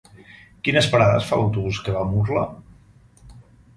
Quines parades fa l'autobús que va a Murla?